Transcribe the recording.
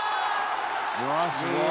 「うわっすごい！」